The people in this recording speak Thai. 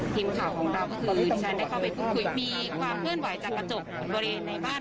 ทีมข่าวของเราก็คือดิฉันได้เข้าไปพูดคุยมีความเคลื่อนไหวจากกระจกบริเวณในบ้าน